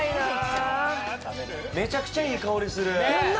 めちゃくちゃいい香りする。